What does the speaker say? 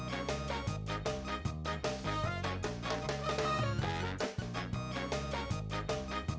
ตามอ้าวใจเลยตามอ้าวใจเลยเนี้ย